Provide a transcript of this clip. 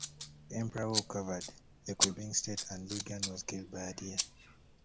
Emperor Wu covered for Qubing, stating that Li Gan was "killed by a deer".